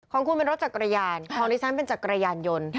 ของคุณเป็นรถจักรยานของดิฉันเป็นจักรยานยนต์